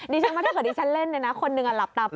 ฉันว่าถ้าเกิดดิฉันเล่นเนี่ยนะคนหนึ่งหลับตาไป